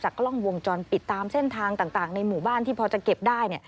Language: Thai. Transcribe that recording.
กล้องวงจรปิดตามเส้นทางต่างในหมู่บ้านที่พอจะเก็บได้